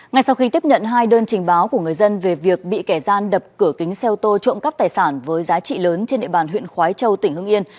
ngay sau khi tiếp nhận hai đơn trình báo của người dân về việc bị kẻ gian đập cửa kính xe ô tô trộm cắp tài sản với giá trị lớn trên địa bàn huyện khói châu tỉnh hưng yên